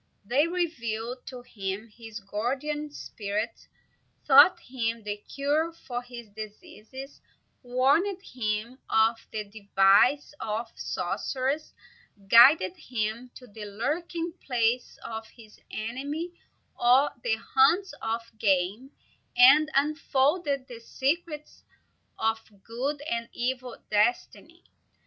They revealed to him his guardian spirit, taught him the cure of his diseases, warned him of the devices of sorcerers, guided him to the lurking places of his enemy or the haunts of game, and unfolded the secrets of good and evil destiny.